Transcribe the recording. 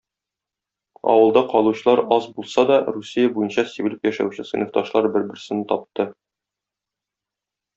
Авылда калучылар аз булса да Русия буенча сибелеп яшәүче сыйныфташлар бер-берсен тапты.